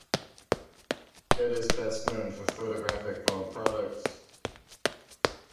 It is best known for photographic film products.